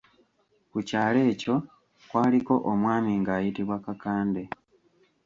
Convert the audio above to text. Ku kyalo ekyo kwaliko omwami nga ayitibwa Kakandde.